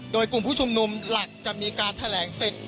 โดยกลุ่มผู้ชุมนุมหลักจะมีการแถลงเสร็จ